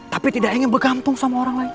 tapi tidak ingin berkampung sama orang lain